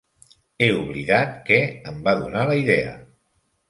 He oblidat què em va donar la idea.